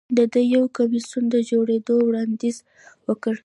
ده د یو کمېسیون د جوړېدو وړاندیز وکړ.